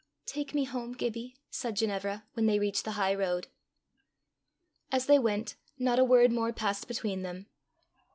"Take me home, Gibbie," said Ginevra, when they reached the high road. As they went, not a word more passed between them.